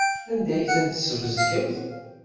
Anda ay ten-tesbezgeḍ?